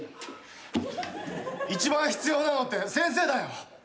一番必要なのって先生だよ。